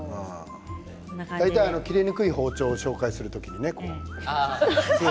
大体切れにくい包丁を紹介する時にね。